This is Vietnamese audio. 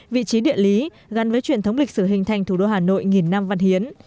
vị trí địa lý gắn với truyền thống lịch sử hình thành thủ đô hà nội nghìn năm văn hiến